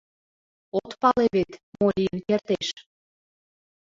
От пале вет, мо лийын кертеш.